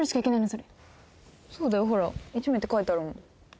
それそうだよほら１名って書いてあるもん